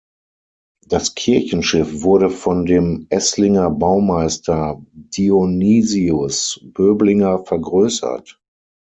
Das Kirchenschiff wurde von dem Esslinger Baumeister Dionysius Böblinger vergrößert.